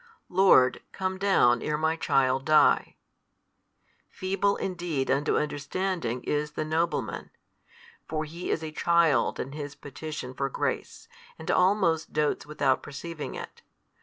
Lord, come down ere my child die. Feeble indeed unto understanding is the nobleman, for ho is a child in his petition for grace, and almost dotes without perceiving it.